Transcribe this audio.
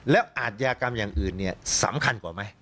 แล้วอาทยากรรมอย่างอื่นเนี่ยสำคัญกว่าไหม